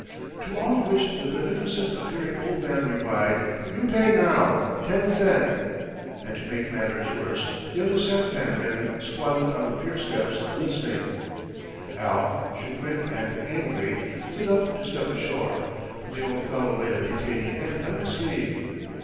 To all of which the beneficent appearing old man replied: "You pay now. Ten sen." And, to make matters worse, the other sampan men squatted on the pier steps, listening. Alf, chagrined and angry, stood up to step ashore. But the old fellow laid a detaining hand on his sleeve.